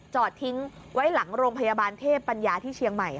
จอดทิ้งไว้หลังโรงพยาบาลเทพปัญญาที่เชียงใหม่